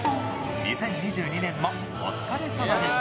２０２２年もお疲れさまでした。